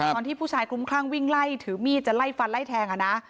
ตอนที่ผู้ชายคลุ้มคลั่งวิ่งไล่ถือมีดจะไล่ฟันไล่แทงอ่ะนะ